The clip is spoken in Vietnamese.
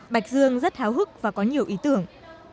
bạch dương rất háo hức và có nhiều ý tưởng